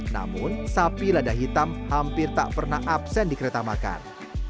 namun sapi lada hitam hampir tak pernah absen di kereta makan